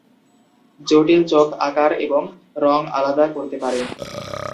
জটিল চোখ আকার এবং রং আলাদা করতে পারে।